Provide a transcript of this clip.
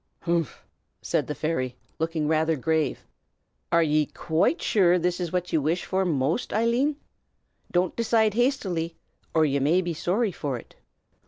"Humph!" said the fairy, looking rather grave. "Are ye quite sure that this is what you wish for most, Eileen? Don't decide hastily, or ye may be sorry for it."